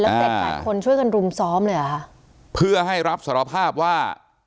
เจ็ดแปดคนช่วยกันรุมซ้อมเลยเหรอคะเพื่อให้รับสารภาพว่า